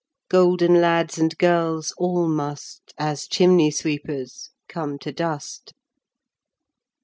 Golden Lads, and Girles all must, As Chimney Sweepers come to dust Arui.